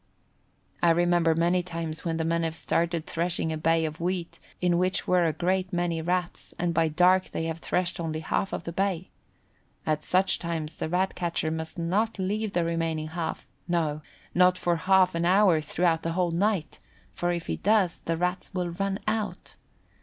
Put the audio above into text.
I remember many times when the men have started threshing a bay of wheat in which were a great many Rats, and by dark they have threshed only half of the bay. At such times the Rat catcher must not leave the remaining half, no, not for half an hour throughout the whole night, for if he does the Rats will run out.